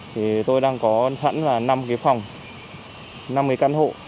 thì tôi đang có thẳng là năm cái phòng năm cái căn hộ